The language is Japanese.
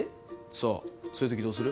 そうそういう時どうする？